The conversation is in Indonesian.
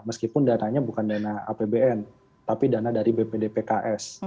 meskipun dananya bukan dana apbn tapi dana dari bpdpks